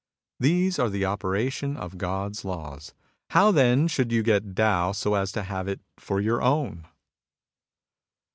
These are the operation of God's laws. How then should you get Tao so as to have it for your own